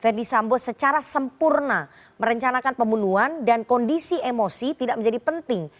verdi sambo secara sempurna merencanakan pembunuhan dan kondisi emosi tidak menjadi penting